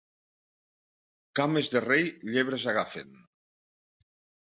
Cames de rei, llebres agafen.